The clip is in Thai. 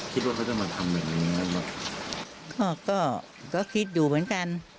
คิดว่าเขาจะมาทำแบบนี้ไงบ้าง